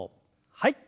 はい。